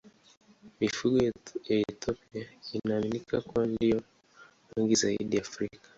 Mifugo ya Ethiopia inaaminika kuwa ndiyo wengi zaidi Afrika.